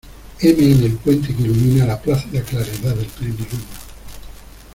heme en el puente que ilumina la plácida claridad del plenilunio.